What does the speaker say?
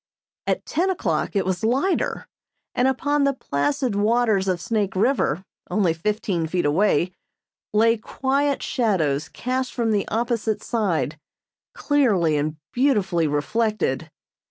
At ten o'clock it was lighter, and upon the placid waters of Snake River, only fifteen feet away, lay quiet shadows cast from the opposite side, clearly and beautifully reflected.